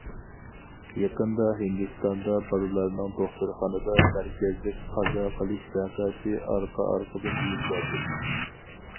يېقىندا ھىندىستاندا بالىلارنىڭ دوختۇرخانىدا مەركەزلىك قازا قىلىش ۋەقەسى ئارقا- ئارقىدىن يۈز بەردى.